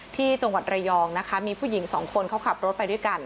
ที่จังหวัดระยองนะคะมีผู้หญิงสองคนเขาขับรถไปด้วยกัน